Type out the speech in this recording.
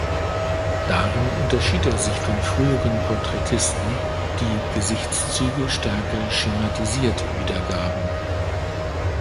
Darin unterschied er sich von früheren Porträtisten, die Gesichtszüge stärker schematisiert wiedergaben.